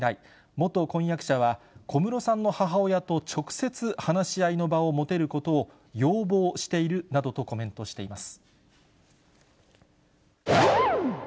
元婚約者は、小室さんの母親と直接話し合いの場を持てることを要望しているなどとコメントしています。